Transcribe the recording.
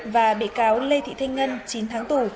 và bị cáo lê thị thanh ngân chín tháng tù